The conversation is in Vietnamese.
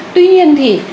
tuy nhiên thì